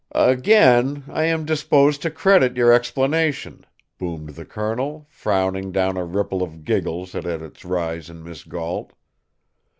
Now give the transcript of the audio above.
"Again, I am disposed to credit your explanation," boomed the colonel, frowning down a ripple of giggles that had its rise in Miss Gault.